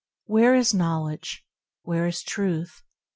Where is knowledge ? Where is Truth ?